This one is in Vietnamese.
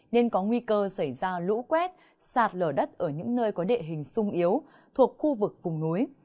nên có nguy cơ xảy ra lũ quét sạt lở đất ở những nơi có địa hình sung yếu thuộc khu vực vùng núi